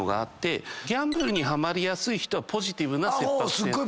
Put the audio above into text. ギャンブルにハマりやすい人はポジティブな切迫性。